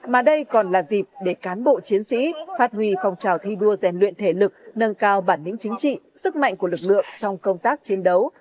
mà đây còn là dịp để cán bộ chiến sĩ phát huy phòng trào thi đua rèn luyện thể lực nâng cao bản lĩnh chính trị sức mạnh của lực lượng trong công tác chiến đấu